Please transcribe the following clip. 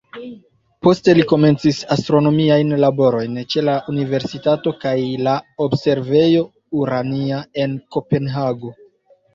Poste li komencis astronomiajn laborojn ĉe la universitato kaj la observejo "Urania" en Kopenhago.